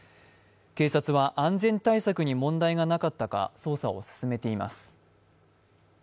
警察は、安全対策に問題がなかったか捜査を進めています。